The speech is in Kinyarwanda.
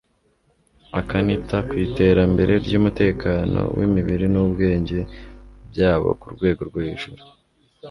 akanita ku iterambere ry'umutekano w'imibiri n'ubwenge byabo ku rwego rwo hejuru